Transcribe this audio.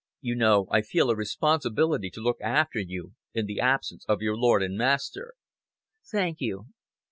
You know I feel a responsibility to look after you in the absence of your lord and master." "Thank you."